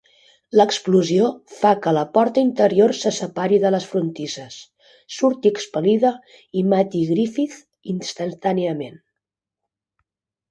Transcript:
L'explosió fa que la porta interior se separi de les frontisses, surti expel·lida i mati Griffith instantàniament.